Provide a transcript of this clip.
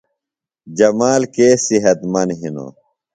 جمال کے صحت مند ہِنوۡ؟